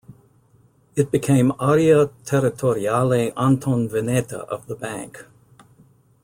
It became Area Territoriale Antonveneta of the bank.